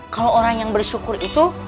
kalau orang yang bersyukur itu